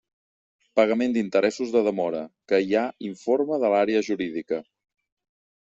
Pagament d'interessos de demora: que hi ha informe de l'Àrea Jurídica.